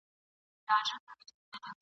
پر کنډوالو به دي ښارونه کړو ودان وطنه ..